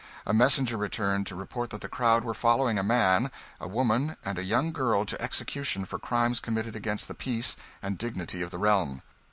A messenger returned, to report that the crowd were following a man, a woman, and a young girl to execution for crimes committed against the peace and dignity of the realm.